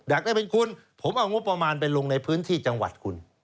อยากได้เป็นคุณผมเอางบประมาณไปลงในพื้นที่จังหวัดคุณ